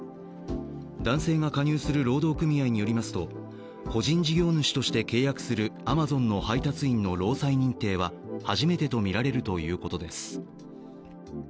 男性が加入する労働組合によりますと個人事業主として契約するアマゾンの配達員の労災認定は初めてとみられるということです。